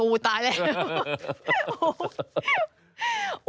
อู๊ยตายแล้ว